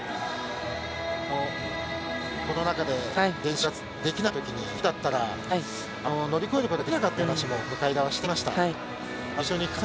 コロナ禍で練習ができないときに１人だったら乗り越えることができなかったという話も向田はしていました。